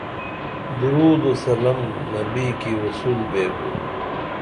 درود و سلم نبی کی وصول بیبو